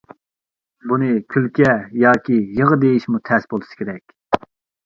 بۇنى كۈلكە ياكى يىغا دېيىشمۇ تەس بولسا كېرەك.